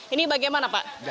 ini bagaimana pak